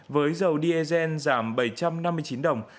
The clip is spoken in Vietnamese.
với dầu diesel giảm bảy trăm năm mươi chín đồng